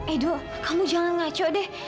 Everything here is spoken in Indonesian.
edo kamu jangan ngaco deh